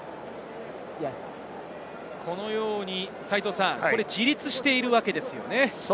このように自立しているわけですよね。